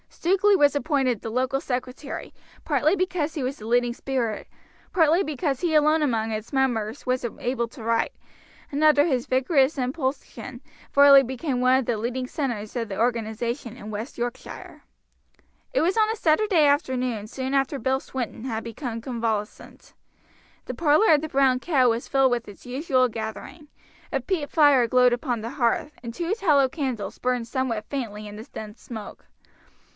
Stukeley was appointed the local secretary, partly because he was the leading spirit, partly because he alone among its members was able to write, and under his vigorous impulsion Varley became one of the leading centers of the organization in West Yorkshire. It was on a Saturday evening soon after Bill Swinton had become convalescent. The parlor of the "Brown Cow" was filled with its usual gathering; a peat fire glowed upon the hearth, and two tallow candles burned somewhat faintly in the dense smoke.